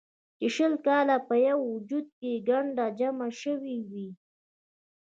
چې شل کاله پۀ يو وجود کښې ګند جمع شوے وي